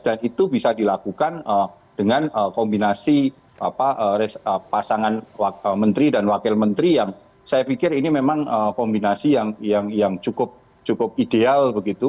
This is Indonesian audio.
dan itu bisa dilakukan dengan kombinasi pasangan menteri dan wakil menteri yang saya pikir ini memang kombinasi yang cukup ideal begitu